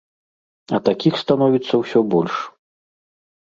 А такіх становіцца ўсё больш.